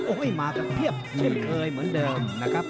โอ้โฮมากัมเทียบเชียบเคยเหมือนเดิม